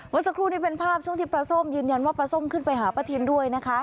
สักครู่นี้เป็นภาพช่วงที่ปลาส้มยืนยันว่าปลาส้มขึ้นไปหาป้าทินด้วยนะคะ